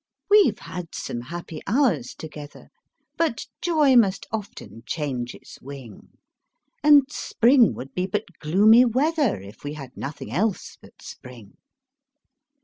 We've had some happy hours together, But joy must often change its wing; And spring would be but gloomy weather, If we had nothing else but spring.